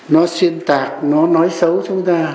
nó xuyên tạc nó nói xấu chúng ta